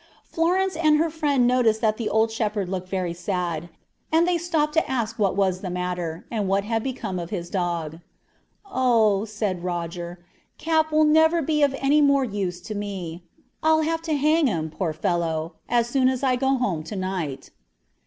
Florence and her friend noticed that the old shepherd looked very sad, and they stopped to ask what was the matter, and what had become of his dog. "'Oh,' said Roger, 'Cap will never be of any more use to me; I'll have to hang him, poor fellow, as soon as I go home to night.'